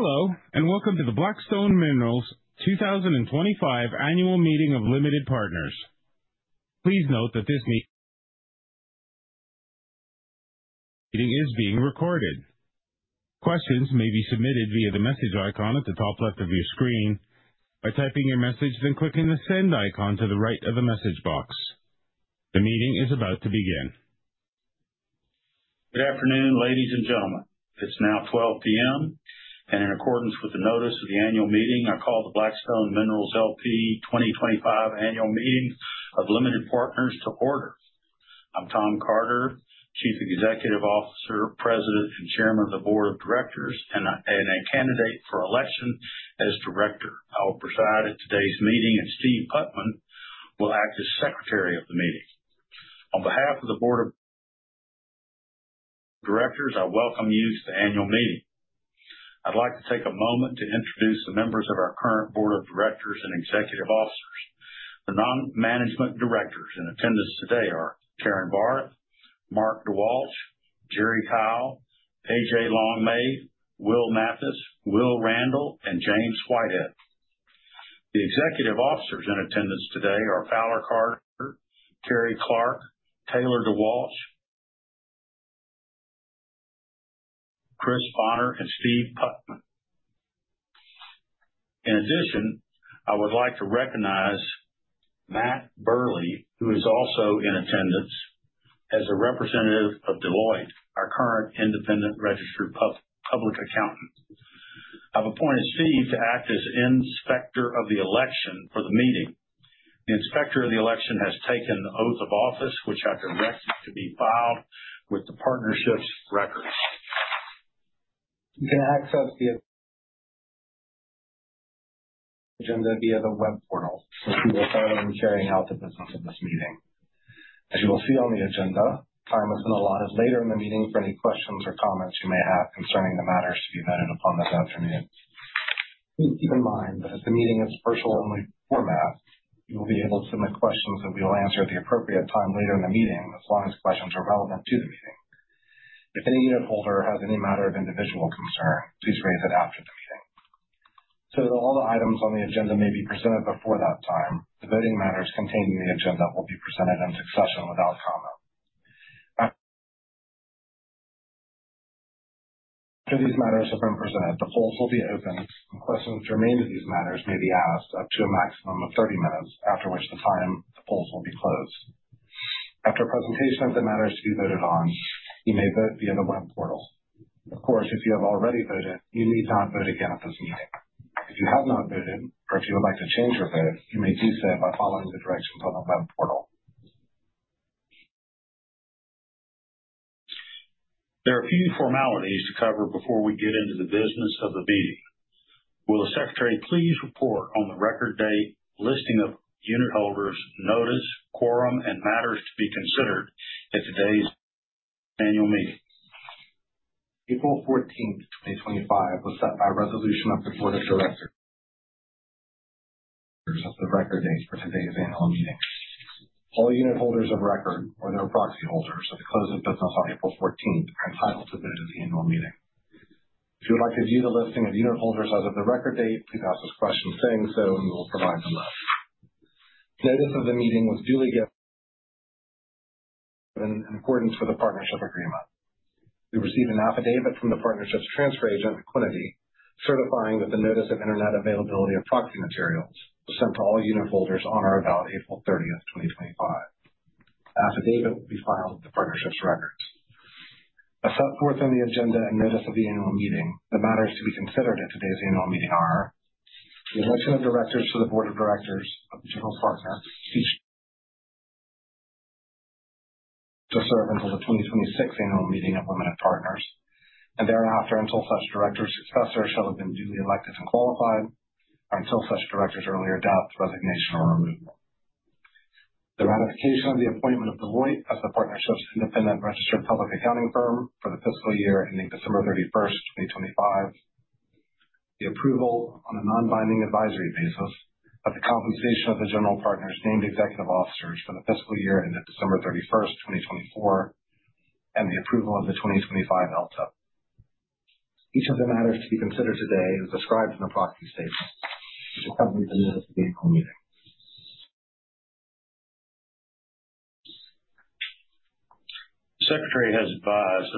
Hello, and welcome to the Black Stone Minerals 2025 annual meeting of Limited Partners. Please note that this meeting is being recorded. Questions may be submitted via the message icon at the top left of your screen by typing your message, then clicking the send icon to the right of the message box. The meeting is about to begin. Good afternoon, ladies and gentlemen. It's now 12:00 P.M., and in accordance with the notice of the annual meeting, I call the Black Stone Minerals 2025 annual meeting of Limited Partners to order. I'm Tom Carter, Chief Executive Officer, President, and Chairman of the Board of Directors, and a candidate for election as Director. I will preside at today's meeting, and Steve Putman will act as Secretary of the meeting. On behalf of the Board of Directors, I welcome you to the annual meeting. I'd like to take a moment to introduce the members of our current Board of Directors and Executive Officers. The non-management directors in attendance today are Carin Barth, Marc DeWalch, Jerry Kyle, A.J. Longmaid, Will Mathis, Will Randall, and James Whitehead. The executive officers in attendance today are Fowler Carter, Carrie Clark, Taylor DeWalch, Chris Bonner, and Steve Putman. In addition, I would like to recognize Matt Burley, who is also in attendance as a representative of Deloitte, our current independent registered public accountant. I've appointed Steve to act as inspector of the election for the meeting. The inspector of the election has taken the oath of office, which I've directed to be filed with the partnership's records. You can access the agenda via the web portal, which we will start on sharing out the business of this meeting. As you will see on the agenda, time has been allotted later in the meeting for any questions or comments you may have concerning the matters to be vetted upon this afternoon. Please keep in mind that as the meeting is a virtual only format, you will be able to submit questions that we will answer at the appropriate time later in the meeting, as long as questions are relevant to the meeting. If any unit holder has any matter of individual concern, please raise it after the meeting. So that all the items on the agenda may be presented before that time, the voting matters contained in the agenda will be presented in succession without comment. After these matters have been presented, the polls will be opened, and questions germane to these matters may be asked up to a maximum of 30 minutes, after which time the polls will be closed. After presentation of the matters to be voted on, you may vote via the web portal. Of course, if you have already voted, you need not vote again at this meeting. If you have not voted, or if you would like to change your vote, you may do so by following the directions on the web portal. There are a few formalities to cover before we get into the business of the meeting. Will the Secretary please report on the record date, listing of unit holders, notice, quorum, and matters to be considered at today's annual meeting? April 14th, 2025, was set by a resolution of the Board of Directors as the record date for today's annual meeting. All unit holders of record or their proxy holders at the close of business on April 14th are entitled to vote at the annual meeting. If you would like to view the listing of unit holders as of the record date, please ask us questions saying so, and we will provide the list. Notice of the meeting was duly given in accordance with the partnership agreement. We received an affidavit from the partnership's transfer agent, [inaudible] certifying that the notice of internet availability of proxy materials was sent to all unit holders on or about April 30th, 2025. The affidavit will be filed with the partnership's records. As set forth in the agenda and notice of the annual meeting, the matters to be considered at today's annual meeting are the election of directors to the Board of Directors of the General Partner, each to serve until the 2026 annual meeting of limited partners, and thereafter until such director's successor shall have been duly elected and qualified, or until such director's earlier death, resignation, or removal. The ratification of the appointment of Deloitte as the partnership's independent registered public accounting firm for the fiscal year ending December 31st, 2025, the approval on a non-binding advisory basis of the compensation of the general partner's named executive officers for the fiscal year ended December 31st, 2024, and the approval of the 2025 LTIP. Each of the matters to be considered today is described in the proxy statement, which accompanies the notice of the annual meeting. The Secretary has advised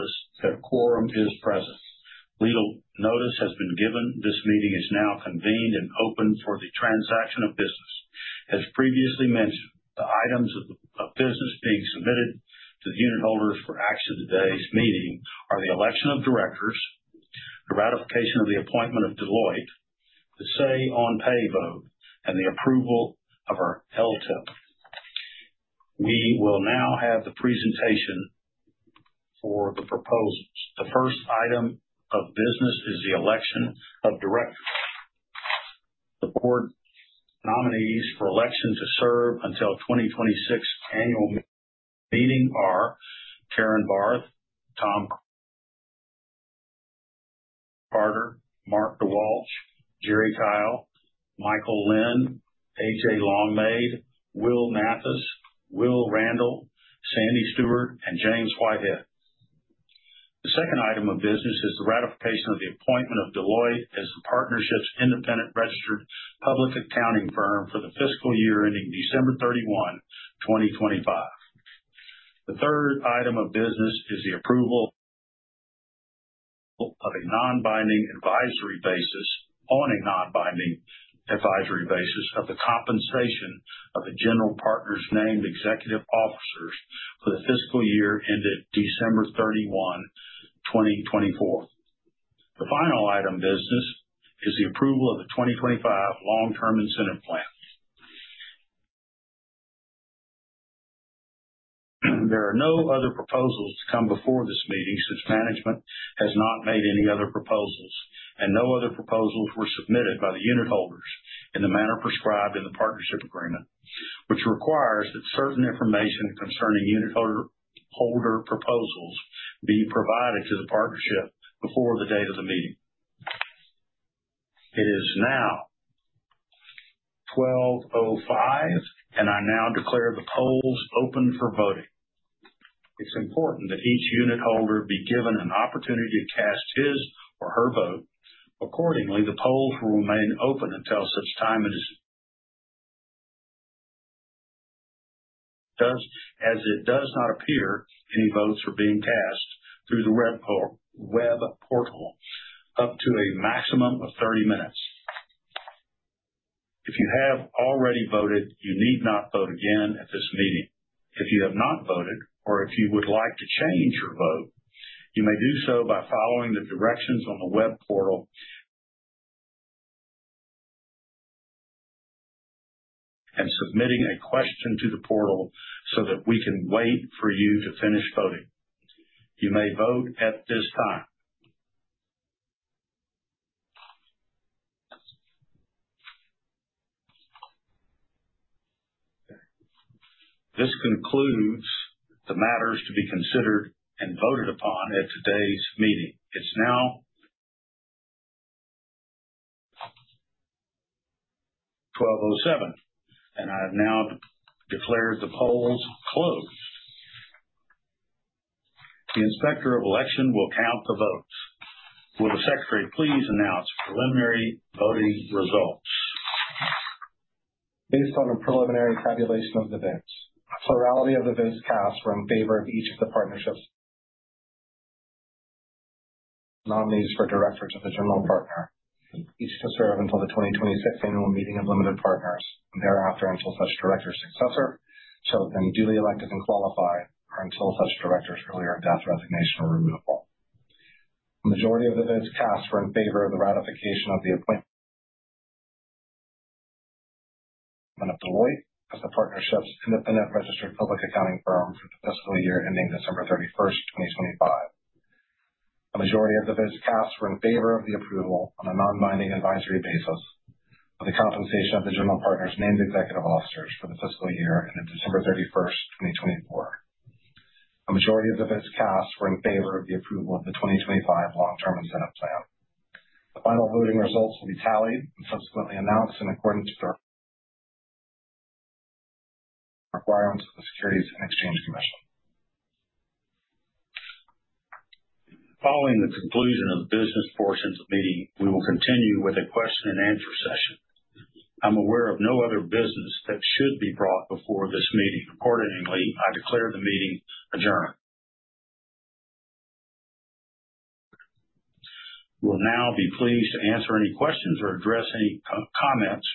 that quorum is present. Legal notice has been given. This meeting is now convened and open for the transaction of business. As previously mentioned, the items of business being submitted to the unit holders for action at today's meeting are the election of directors, the ratification of the appointment of Deloitte, the say-on-pay vote, and the approval of our ELTA. We will now have the presentation for the proposals. The first item of business is the election of directors. The board nominees for election to serve until the 2026 annual meeting are Carin Barth, Tom Carter, Marc DeWalch, Jerry Kyle, Michael Linn, A.J. Longmaid, Will Mathis, Will Randall, Sandy Stewart, and James Whitehead. The second item of business is the ratification of the appointment of Deloitte as the partnership's independent registered public accounting firm for the fiscal year ending December 31, 2025. The third item of business is the approval on a non-binding advisory basis of the compensation of the general partner's named executive officers for the fiscal year ended December 31, 2024. The final item of business is the approval of the 2025 long-term incentive plan. There are no other proposals to come before this meeting since management has not made any other proposals, and no other proposals were submitted by the unit holders in the manner prescribed in the partnership agreement, which requires that certain information concerning unit holder proposals be provided to the partnership before the date of the meeting. It is now 12:05 P.M., and I now declare the polls open for voting. It's important that each unit holder be given an opportunity to cast his or her vote. Accordingly, the polls will remain open until such time as it does not appear any votes are being cast through the web portal up to a maximum of 30 minutes. If you have already voted, you need not vote again at this meeting. If you have not voted, or if you would like to change your vote, you may do so by following the directions on the web portal and submitting a question to the portal so that we can wait for you to finish voting. You may vote at this time. This concludes the matters to be considered and voted upon at today's meeting. It's now 12:07 P.M., and I have now declared the polls closed. The inspector of election will count the votes. Will the Secretary please announce preliminary voting results? Based on the preliminary tabulation of the votes, a plurality of the votes cast were in favor of each of the partnership's nominees for directors of the general partner. Each to serve until the 2026 annual meeting of limited partners, and thereafter until such director's successor shall have been duly elected and qualified, or until such director's earlier death, resignation, or removal. The majority of the votes cast were in favor of the ratification of the appointment of Deloitte as the partnership's independent registered public accounting firm for the fiscal year ending December 31st, 2025. A majority of the votes cast were in favor of the approval on a non-binding advisory basis of the compensation of the general partner's named executive officers for the fiscal year ended December 31, 2024. A majority of the votes cast were in favor of the approval of the 2025 long-term incentive plan. The final voting results will be tallied and subsequently announced in accordance with the requirements of the Securities and Exchange Commission. Following the conclusion of the business portion of the meeting, we will continue with a question-and-answer session. I'm aware of no other business that should be brought before this meeting. Accordingly, I declare the meeting adjourned. You will now be pleased to answer any questions or address any comments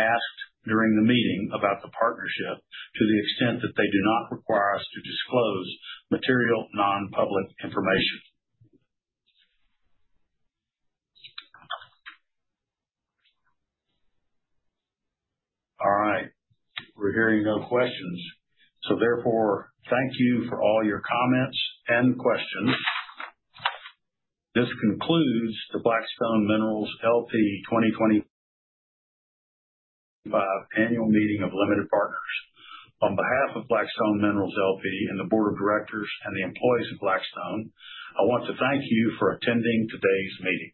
asked during the meeting about the partnership to the extent that they do not require us to disclose material non-public information. All right. We're hearing no questions. Therefore, thank you for all your comments and questions. This concludes the Black Stone Minerals L.P. 2025 annual meeting of Limited Partners. On behalf of Black Stone Minerals L.P. and the Board of Directors and the employees of Black Stone, I want to thank you for attending today's meeting.